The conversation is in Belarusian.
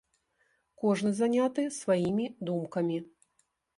Кожны заняты сваімі думкамі.